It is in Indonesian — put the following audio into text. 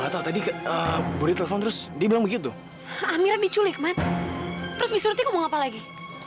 tadi ke telepon terus dia begitu amira diculik mati terus misalnya mau apa lagi